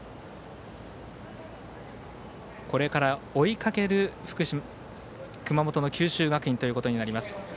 これから追いかける熊本の九州学院ということになります。